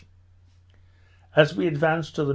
As we advanced to the N.